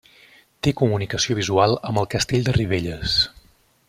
Té comunicació visual amb el castell de Ribelles.